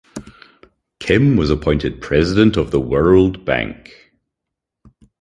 Kim was appointed President of the World Bank.